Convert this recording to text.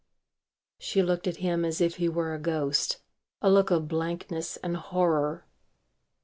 She looked at him as if he were a ghost. A look of blankness and horror.